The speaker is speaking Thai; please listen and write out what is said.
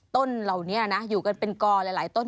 ต้นเหล่านี้นะอยู่กันเป็นกอหลายต้น